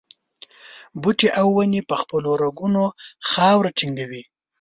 بوټي او ونې په خپلو رګونو خاوره ټینګوي.